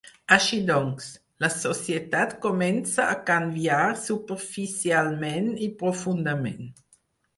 Així doncs, la societat comença a canviar superficialment i profundament.